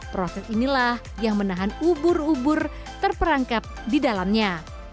proses inilah yang menahan ubur ubur terperangkap di dalamnya